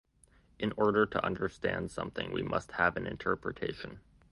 In order to understand something, we must have an interpretation.